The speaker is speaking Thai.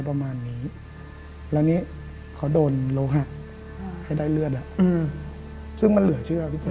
ประมาณนี้แล้วนี่เขาโดนโลหะให้ได้เลือดซึ่งมันเหลือเชื่อพี่แจ